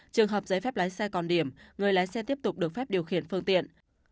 trường hợp giấy phép lái xe còn điểm người lái xe tiếp tục được phép điều khiển phương tiện